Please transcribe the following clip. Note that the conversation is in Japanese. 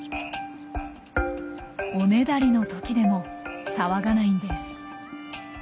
おねだりのときでも騒がないんです。